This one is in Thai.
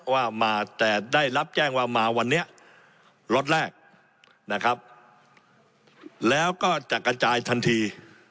ว่ามาแต่ได้รับแจ้งว่ามาวันนี้ล็อตแรกนะครับแล้วก็จะกระจายทันที